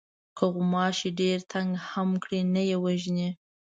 که غوماشی ډېر تنگ هم کړي نه یې وژنې.